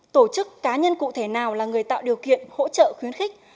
tổ chức cá nhân cụ thể nào là người tạo điều kiện hỗ trợ khuyến khích